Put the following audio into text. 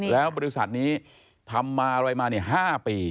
แล้วบริษัทนี้ทำมาอะไรมา๕ปี